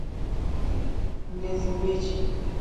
ndizi mbichi